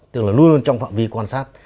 tức là luôn trong phạm vi quan sát